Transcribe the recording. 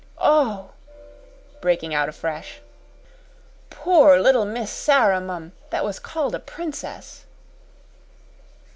Oh," breaking out afresh, "poor little Miss Sara, mum that was called a princess."